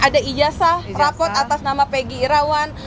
ada ijazah rapot atas nama pegi irawan